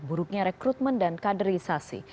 buruknya rekrutmen dan kaderisasi